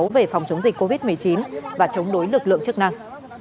về phòng chống dịch covid một mươi chín và chống đối lực lượng chức năng